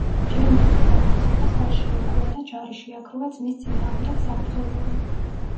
ჯემი ერთ დამარცხებას არ შეეგუა და ჯარი შეაგროვა ძმის წინააღმდეგ საბრძოლველად.